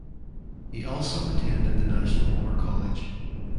He also attended the National War College.